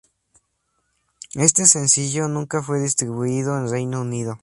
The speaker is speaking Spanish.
Este sencillo nunca fue distribuido en Reino Unido.